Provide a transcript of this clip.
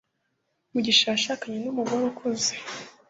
mugisha yashakanye n'umugore ukuze